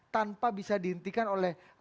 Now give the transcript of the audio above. tanpa bisa dihentikan oleh